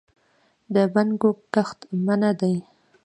د بنګو کښت منع دی؟